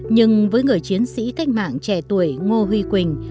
nhưng với người chiến sĩ cách mạng trẻ tuổi ngô huy quỳnh